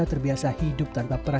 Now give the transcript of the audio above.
secara pand temor